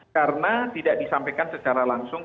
karena tidak disampaikan secara langsung